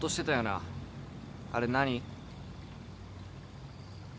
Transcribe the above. あれ何？